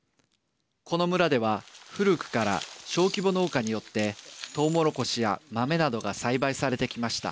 この村では、古くから小規模農家によってとうもろこしや豆などが栽培されてきました。